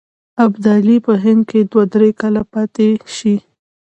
ابدالي په هند کې دوه درې کاله پاته شي.